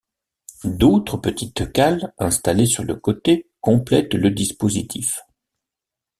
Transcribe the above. D’autres petites cales installées sur le côté complètent le dispositif.